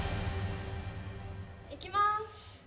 いきます。